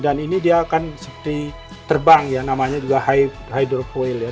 dan ini dia akan seperti terbang ya namanya juga hydrofoil ya